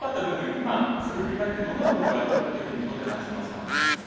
今、すぐ振り返ってどんなところがよかったと手応え、感じていますか。